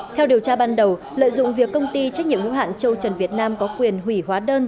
theo điều tra ban đầu lợi dụng việc công ty trách nhiệm hữu hạn châu trần việt nam có quyền hủy hóa đơn